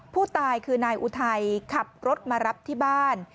ผู้ตายคือนายอุทัยขับรถมารับที่บ้าน